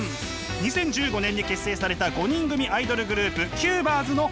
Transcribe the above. ２０１５年に結成された５人組アイドルグループＣＵＢＥＲＳの末吉９